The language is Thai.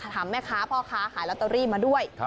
ถามแม่ค้าพ่อค้าขายลอตเตอรี่มาด้วย